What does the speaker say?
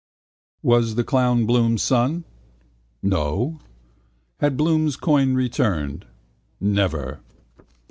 Was the clown Bloom's son? No. Had Bloom's coin returned? Never.